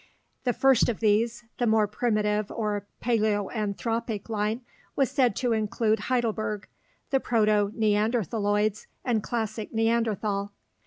The first of these, the more primitive or "paleoanthropic" line, was said to include Heidelberg, the proto neanderthaloids and classic Neanderthal.